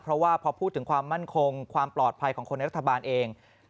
เพราะว่าพอพูดถึงความมั่นคงความปลอดภัยของคนในรัฐบาลเอง